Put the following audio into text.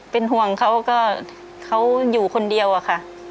เป็นห่วงเขาก็เขาอยู่คนเดียวอะค่ะ